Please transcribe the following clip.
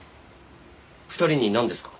２人になんですか？